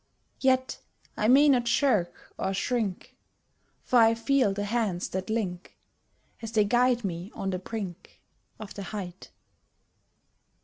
Yet I may not shirk or shrink, For I feel the hands that link As they guide me on the brink Of the Height.